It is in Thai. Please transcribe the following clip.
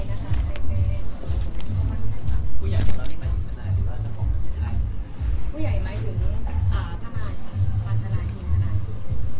แต่ว่าครั้งนี้เรามั่นใจกับการช่วยผู้ใหญ่มาก